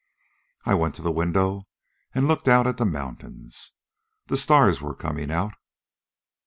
I went to the window and looked out at the mountains. The stars were coming out.